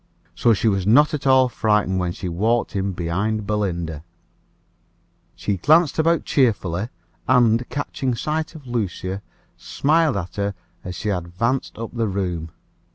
So she was not at all frightened when she walked in behind Miss Belinda. She glanced about her cheerfully, and, catching sight of Lucia, smiled at her as she advanced up the room.